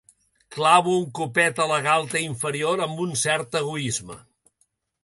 Clavo un copet a la galta inferior amb un cert egoïsme.